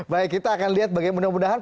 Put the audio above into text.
baik kita akan lihat bagaimana mudah mudahan